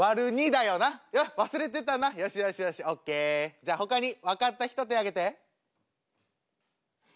じゃあほかに分かった人手挙げて。